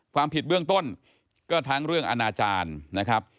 ความผิดเบื้องต้นก็ทั้งเรื่องอนาจารย์นะครับ